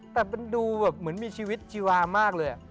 แต่มันดูแบบเหมือนมีชีวิตชีวามากเลย